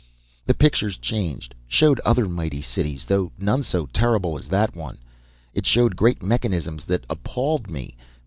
"The pictures changed, showed other mighty cities, though none so terrible as that one. It showed great mechanisms that appalled me.